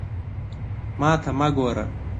ما ته مه ګوره!